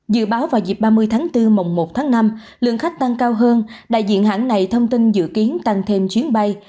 dự báo vào dịp ba mươi tháng bốn mùng một tháng năm lượng khách tăng cao hơn đại diện hãng này thông tin dự kiến tăng thêm chuyến bay